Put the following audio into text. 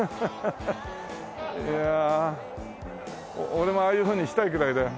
俺もああいうふうにしたいぐらいだよ。